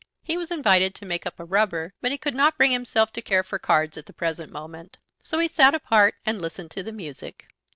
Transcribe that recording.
He was invited to make up a rubber, but he could not bring himself to care for cards at the present moment. So he sat apart and listened to the music.